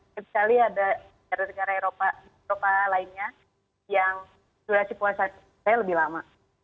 kali kali ada negara eropa lainnya yang durasi puasa saya lebih lama